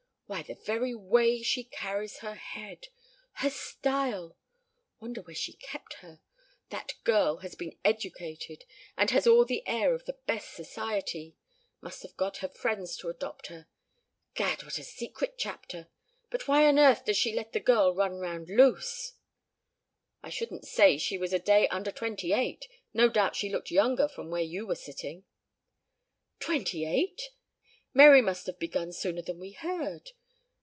Why, the very way she carries her head her style ... wonder where she kept her? That girl has been educated and has all the air of the best society. Must have got friends to adopt her. Gad! What a secret chapter. But why on earth does she let the girl run round loose?" "I shouldn't say she was a day under twenty eight. No doubt she looked younger from where you were sitting." "Twenty eight! Mary must have begun sooner than we heard.